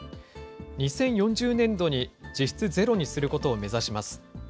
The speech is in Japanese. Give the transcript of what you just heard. ２０４０年度に実質ゼロにすることを目指します。